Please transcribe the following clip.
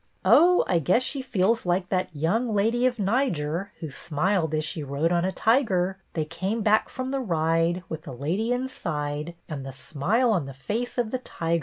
" Oh, I guess she feels like that —".. young lady of Niger, Who smiled as she rode on a tiger ; They came back from the ride With the lady inside, And the smile on the face of the tiger.